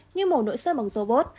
như mổ nội xơ bằng robot